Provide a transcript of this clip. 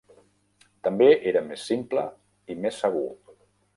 També era més simple i més segur.